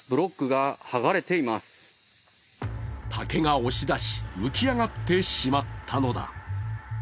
竹が押し出し、浮き上がってしまったのだ。